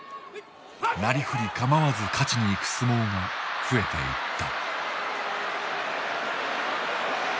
なりふり構わず勝ちに行く相撲が増えていった。